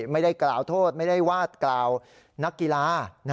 ไม่ได้กล่าวโทษไม่ได้วาดกล่าวนักกีฬา